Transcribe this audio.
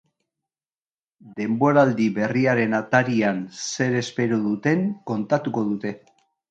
Denboraldi berriaren atarian zer espero duten kontatuko dute.